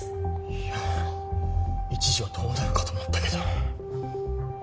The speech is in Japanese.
いや一時はどうなるかと思ったけど。